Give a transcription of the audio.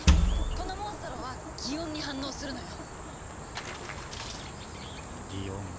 このモンストロは擬音に反応するのよ。